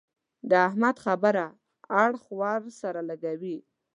د احمد خبره اړخ ور سره لګوي.